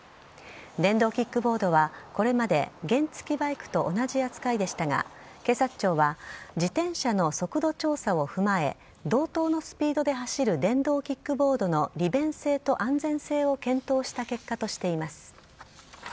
電動キックボードはこれまで原付バイクと同じ扱いでしたが警察庁は自転車の速度調査を踏まえ同等のスピードで走る電動キックボードの利便性と安全性を検討した結果としています。